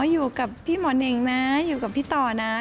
อยู่กับพี่หมอเน่งนะอยู่กับพี่ต่อนะ